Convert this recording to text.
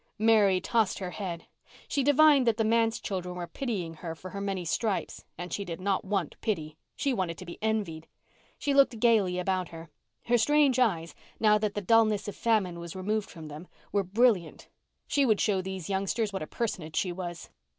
Mary tossed her head. She divined that the manse children were pitying her for her many stripes and she did not want pity. She wanted to be envied. She looked gaily about her. Her strange eyes, now that the dullness of famine was removed from them, were brilliant. She would show these youngsters what a personage she was.